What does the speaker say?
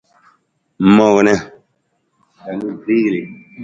Sa ng mang?